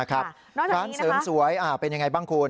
ร้านเสริมสวยเป็นยังไงบ้างคุณ